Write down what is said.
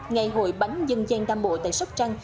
ngày hội bánh dân giang nam bộ tại sóc răng